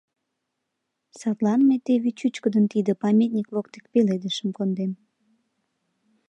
Садлан мый теве чӱчкыдын тиде памятник воктек пеледышым кондем...